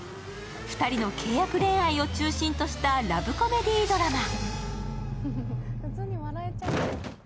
２人の契約恋愛を中心としたラブコメディードラマ。